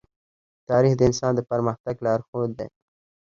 تاریخ د انسان د پرمختګ لارښود دی.